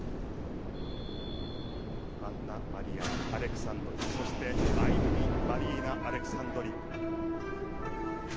アンナ・マリア・アレクサンドリそして、アイリニ・マリナ・アレクサンドリ。